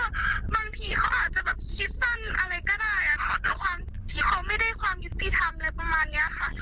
บางทีเขาอาจจะแบบคิดสั้นอะไรก็ได้อะค่ะด้วยความที่เขาไม่ได้ความยุติธรรมอะไรประมาณเนี้ยค่ะ